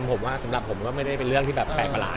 ผมว่าสำหรับผมก็ไม่ได้เป็นเรื่องที่แบบแปลกประหลาด